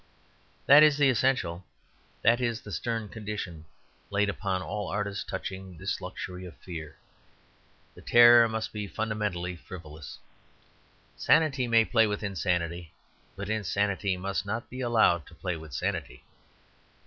That is the essential. That is the stern condition laid upon all artists touching this luxury of fear. The terror must be fundamentally frivolous. Sanity may play with insanity; but insanity must not be allowed to play with sanity.